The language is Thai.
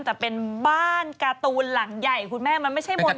แต่เป็นบ้านการ์ตูนหลังใหญ่คุณแม่มันไม่ใช่มนต์